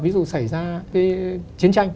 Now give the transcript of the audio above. ví dụ xảy ra cái chiến tranh